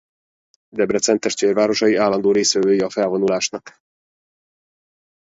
Debrecen testvérvárosai állandó résztvevői a felvonulásnak.